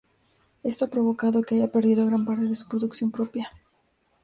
Esto ha provocado que haya perdido gran parte de su producción propia.